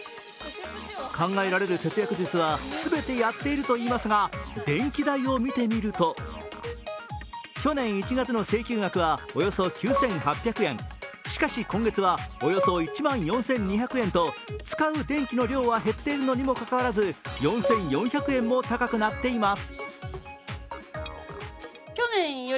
考えられる節約術は全てやっているといいますが電気代を見てみると、去年１月の請求額はおよそ９８００円、しかし今月はおよそ１万４２００円と使う電気の量は減っているにもかかわらず４４００円も高くなっています。